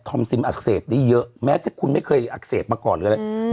ซิมอักเสบได้เยอะแม้ที่คุณไม่เคยอักเสบมาก่อนหรืออะไร